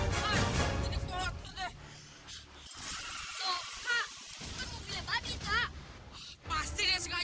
ga ada kebutuhan untuk mempertahankan seluruh negara